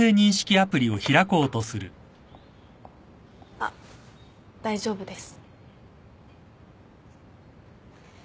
あっ大丈夫です。